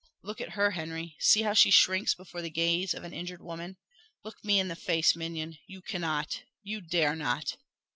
Look at her, Henry see how she shrinks before the gaze of an injured woman. Look me in the face, minion you cannot! you dare not!"